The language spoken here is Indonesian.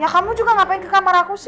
kamu juga ngapain ke kamar aku sih